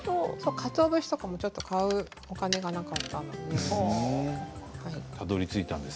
かつお節とかも買うお金がなかったんです。